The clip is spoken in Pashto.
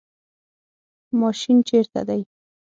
ماشین چیرته دی؟